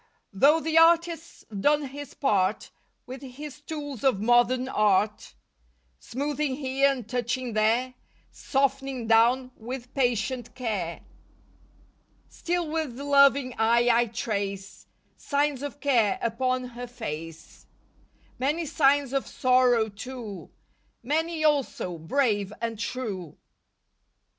Tho the artist's done his part With his tools of modern art, Smoothing here and touching there, Softening down with patient care, 22 LIFE WAVES Still with loving eye I trace, Signs of care upon her face, Many signs of sorrow, too. Many also, brave and true.